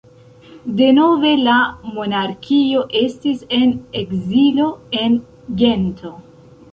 Denove la monarkio estis en ekzilo, en Gento.